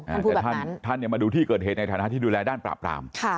ท่านพูดแบบนั้นท่านเนี่ยมาดูที่เกิดเหตุในฐานะที่ดูแลด้านปราบปราม